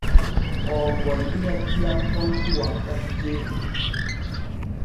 Oo gollira diyam pompi wakkati ceeɗu.